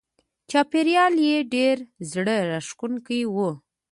چاپېریال یې ډېر زړه راښکونکی و.